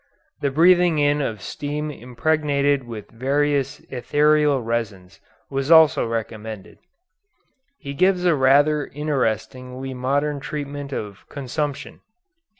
The breathing in of steam impregnated with various ethereal resins, was also recommended. He gives a rather interestingly modern treatment of consumption.